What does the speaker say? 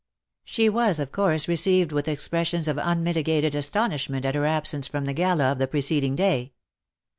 She was, of course, received with expressions of unmitigated asto nishment at her absence from the gala of the preceding day.